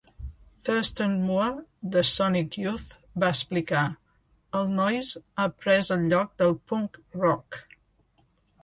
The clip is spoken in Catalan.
Thurston Moore de Sonic Youth va explicar: El noise ha pres el lloc del punk rock.